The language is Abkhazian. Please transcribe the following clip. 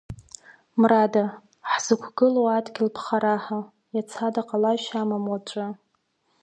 Мрада, ҳзықәгылоу адгьыл ԥхараҳа, иацада ҟалашьа амам уаҵәы.